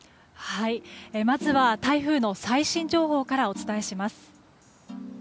まずは台風の最新情報からお伝えします。